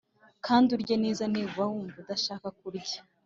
kandi urye neza niba wumva udashaka kurya